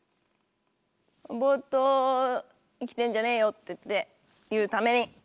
「ボーっと生きてんじゃねーよ！」って言うために。